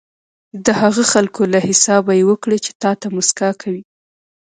د هغه خلکو له حسابه یې وکړئ چې تاته موسکا کوي.